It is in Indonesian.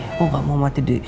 aku gak mau mati di